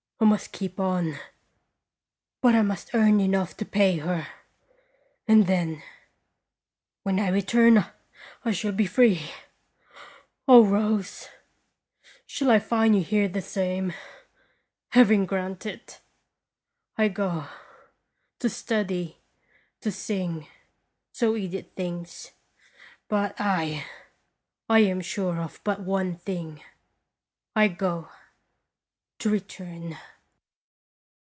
I must keep on. But I must earn enough to pay her, and then, when I re turn, I shall be free ! O Rose! shall I find you here the same? Heaven grant it ! I go to study, to sing, so Edith thinks; but 7 I am sure of but one thing ; I go to return